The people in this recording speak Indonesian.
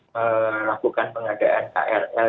melakukan pengadaan krl